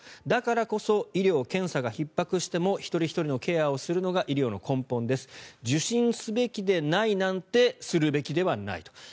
だからこそ医療、検査がひっ迫しても一人ひとりのケアをするのが医療の根本です受診すべきでないなんてするべきではないと。